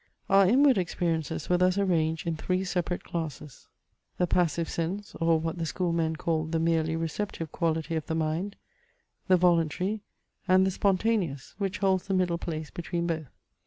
Our inward experiences were thus arranged in three separate classes, the passive sense, or what the School men call the merely receptive quality of the mind; the voluntary; and the spontaneous, which holds the middle place between both.